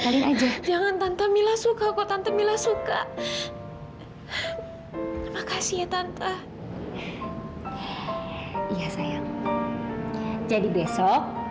edo aku tahu do